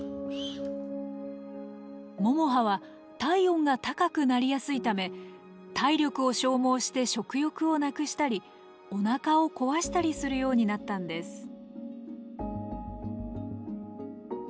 ももはは体温が高くなりやすいため体力を消耗して食欲をなくしたりお腹を壊したりするようになったんです。